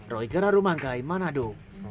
roy kerarumangkai manado